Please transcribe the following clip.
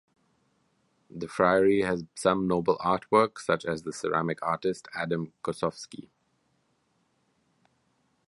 The friary has some notable artwork such as the ceramic artist Adam Kossowski.